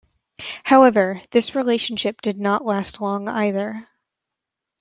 However, this relationship did not last long either.